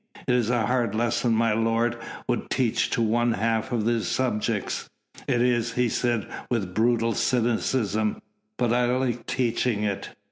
"It is a hard lesson my lord would teach to one half of his subjects." "It is," he said with brutal cynicism, "but I like teaching it.